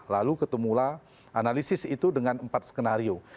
lalu ketemulah analisis itu dengan empat skenario